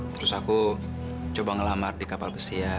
terus aku coba ngelamar di kapal besi ya